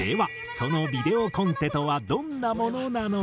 そのビデオコンテとはどんなものなのか？